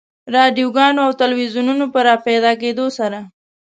رادیوګانو او تلویزیونونو په راپیدا کېدو سره.